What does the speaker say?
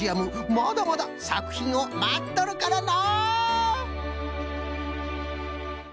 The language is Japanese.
まだまださくひんをまっとるからの！